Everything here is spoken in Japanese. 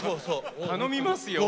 頼みますよ